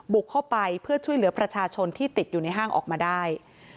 บุกเข้าไปเพื่อช่วยเหลือประชาชนที่ติดอยู่ในห้างออกมาได้